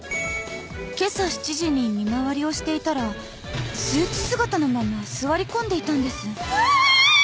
今朝７時に見回りをしていたらスーツ姿のまま座り込んでいたんです。